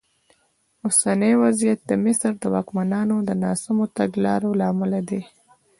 اوسنی وضعیت د مصر د واکمنانو د ناسمو تګلارو له امله دی.